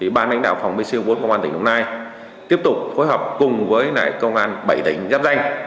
ban lãnh đạo phòng bc bốn công an tỉnh đồng nai tiếp tục phối hợp cùng với công an bảy tỉnh giáp danh